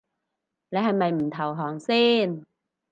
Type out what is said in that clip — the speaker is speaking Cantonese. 你係咪唔投降先